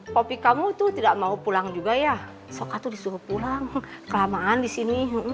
popi kamu tuh tidak mau pulang juga ya soka tuh disuruh pulang kelamaan disini